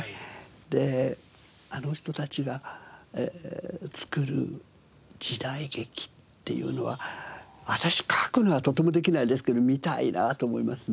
であの人たちが作る時代劇っていうのは私書くのはとてもできないですけど観たいなと思いますね。